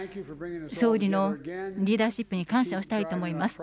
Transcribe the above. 総理のリーダーシップに感謝をしたいと思います。